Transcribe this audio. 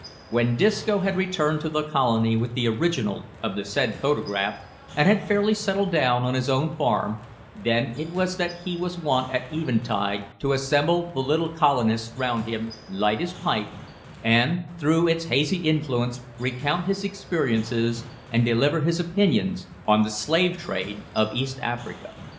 When Disco had returned to the colony with the original of the said photograph, and had fairly settled down on his own farm, then it was that he was wont at eventide to assemble the little colonists round him, light his pipe, and, through its hazy influence, recount his experiences, and deliver his opinions on the slave trade of East Africa.